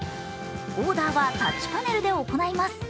オーダーはタッチパネルで行います。